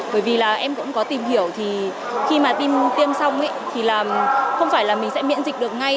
bởi vì em cũng có tìm hiểu khi mà tiêm xong không phải là mình sẽ miễn dịch được ngay